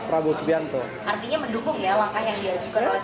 artinya mendukung ya langkah yang diajukan oleh teman teman